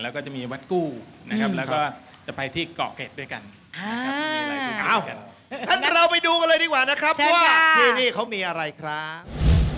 แล้วก็จะมีวัดกู้นะครับแล้วก็จะไปที่เกาะเกร็ดด้วยกันเราไปดูกันเลยดีกว่านะครับว่าที่นี่เขามีอะไรครับ